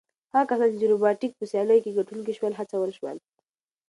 هغه کسان چې د روبوټیک په سیالیو کې ګټونکي شول هڅول شول.